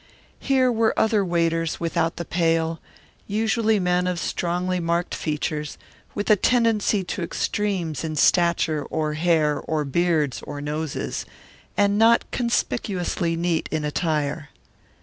Here were other waiters without the pale, usually men of strongly marked features, with a tendency to extremes in stature or hair or beards or noses, and not conspicuously neat in attire.